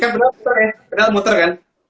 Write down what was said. kan pedal muter ya